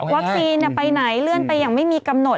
วัคซีนไปไหนเลื่อนไปยังไม่มีกำหนด